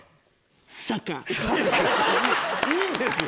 いいんですよ